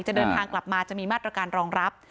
จะเดินทางกลับมาจะมีมาตรการรองรับ